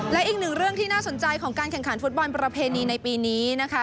และอีกหนึ่งเรื่องที่น่าสนใจของการแข่งขันฟุตบอลประเพณีในปีนี้นะคะ